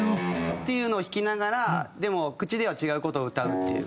っていうのを弾きながらでも口では違う事を歌うっていう。